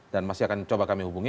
masih akan coba kami hubungi